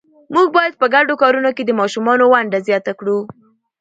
موږ باید په ګډو کارونو کې د ماشومانو ونډه زیات کړو